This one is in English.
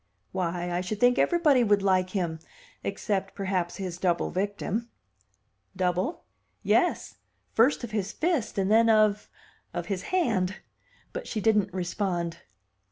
"Why, I should think everybody would like him except, perhaps, his double victim." "Double?" "Yes, first of his fist and then of of his hand!" But she didn't respond.